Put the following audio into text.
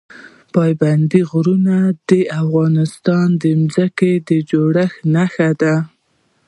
پابندی غرونه د افغانستان د ځمکې د جوړښت نښه ده.